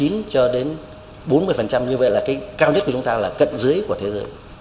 như vậy là cái cao nhất của chúng ta là cận dưới của thế giới